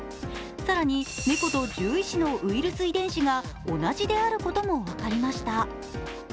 更に、猫と獣医師のウイルス遺伝子が同じであることも分かりました。